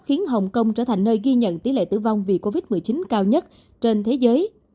khiến hồng kông trở thành nơi ghi nhận tỷ lệ tử vong vì covid một mươi chín cao nhất trên thế giới